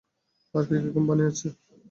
আর কী কী কোম্পানি আছে?